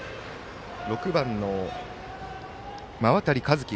６番の馬渡和樹。